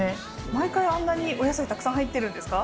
毎回あんなにお野菜たくさん入ってるんですか？